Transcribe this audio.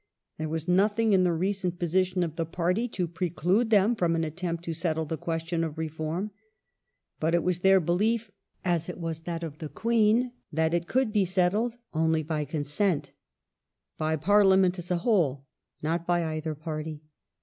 There was nothing in the recent form position of the party to preclude them from an attempt to settle the question of reform. But it was their belief, as it was that of the Queen, that it could be settled only by consent — by Parliament as a whole, not by either party.